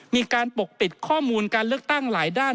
ปกปิดข้อมูลการเลือกตั้งหลายด้าน